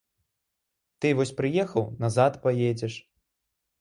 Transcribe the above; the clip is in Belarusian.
Ты вось прыехаў, назад паедзеш.